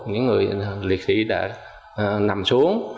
những người liệt sĩ đã nằm xuống